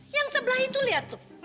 yang sebelah itu lihat tuh